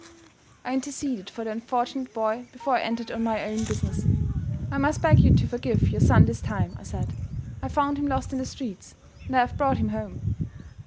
I interceded for the unfortunate boy before I entered on my own business. "I must beg you to forgive your son this time," I said. "I found him lost in the streets; and I have brought him home."